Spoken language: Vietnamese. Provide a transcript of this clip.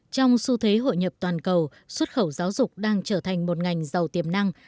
trong xu thế hội nhập toàn cầu xuất khẩu giáo dục đang trở thành một ngành giàu tiềm năng